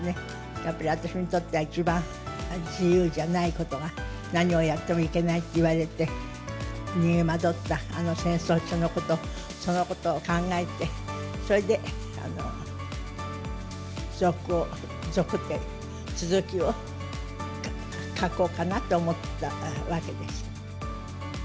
やっぱり私にとっては一番自由じゃないことが、何をやってもいけないって言われて、逃げ惑ったあの戦争中のこと、そのことを考えて、それで続、続きを書こうかなと思ったわけです。